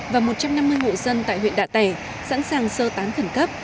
và một trăm năm mươi hộ dân tại huyện đạ tẻ sẵn sàng sơ tán khẩn cấp